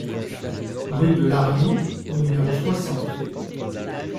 Rue de l'Arriou au numéro soixante